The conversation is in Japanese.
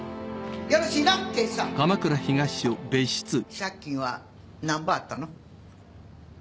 借金はなんぼあったの？